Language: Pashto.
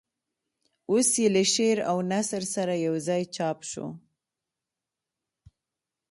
اوس یې له شعر او نثر سره یوځای چاپ شو.